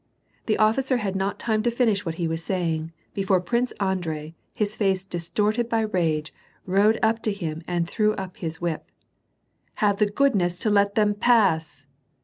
The officer had not time to finish what he was saying, before Triuce Andrei, his face distorted by rage^ rode up to him and threw up his whip : "Have the goodness to let them pass